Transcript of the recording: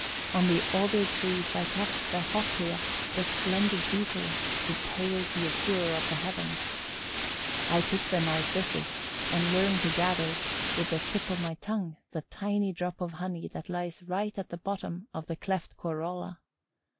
On the alder trees I catch the Hoplia, the splendid Beetle who pales the azure of the heavens. I pick the narcissus and learn to gather, with the tip of my tongue, the tiny drop of honey that lies right at the bottom of the cleft corolla.